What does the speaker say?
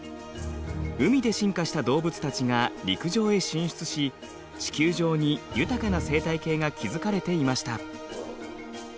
海で進化した動物たちが陸上へ進出し地球上に豊かな生態系が築かれていました。